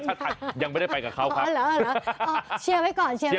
ชาติไทยยังไม่ได้ไปกับเขาครับ